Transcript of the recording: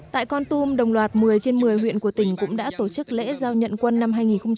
tại con tum đồng loạt một mươi trên một mươi huyện của tỉnh cũng đã tổ chức lễ giao nhận quân năm hai nghìn hai mươi